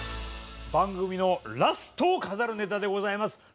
番組のラストを飾るネタでございます。